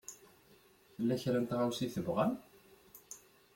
Tella kra n tɣawsa i tebɣam?